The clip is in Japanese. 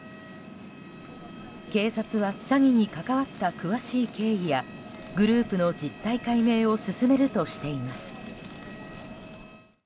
警察は詐欺に関わった詳しい経緯やグループの実態解明を進めるとしています。